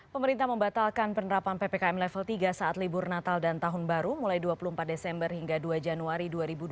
pemerintah membatalkan penerapan ppkm level tiga saat libur natal dan tahun baru mulai dua puluh empat desember hingga dua januari dua ribu dua puluh